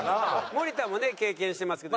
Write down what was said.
森田もね経験してますけど。